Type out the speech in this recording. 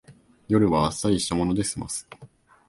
夜はあっさりしたもので済ます